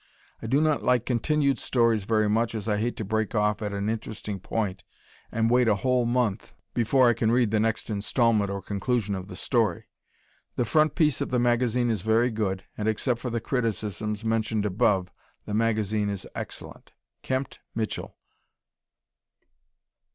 I do not like continued stories very much as I hate to break off at an interesting point and wait a whole month before I can read the next installment or conclusion of the story. The front piece of the magazine is very good, and except for the criticisms mentioned above the magazine is excellent. Kempt Mitchell.